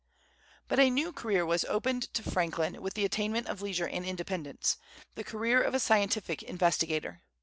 But a new career was opened to Franklin with the attainment of leisure and independence, the career of a scientific investigator.